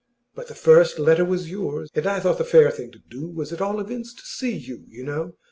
But the first letter was yours, and I thought the fair thing to do was at all events to see you, you know.